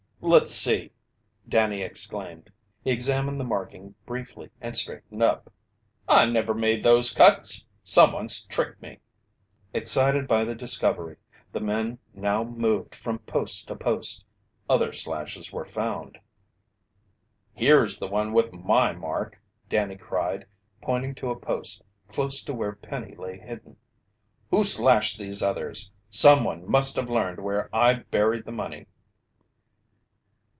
"Let's see!" Danny exclaimed. He examined the marking briefly and straightened up. "I never made those cuts! Someone's tricked me!" Excited by the discovery, the men now moved from post to post. Other slashes were found. "Here's the one with my mark!" Danny cried, pointing to a post close to where Penny lay hidden. "Who slashed these others? Someone must have learned where I buried the money!"